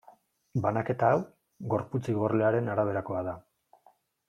Banaketa hau, gorputz igorlearen araberakoa da.